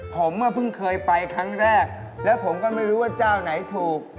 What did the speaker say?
ผมก็เพิ่งเคยไปครั้งแรกแล้วผมก็ไม่รู้ว่าเจ้าไหนถูก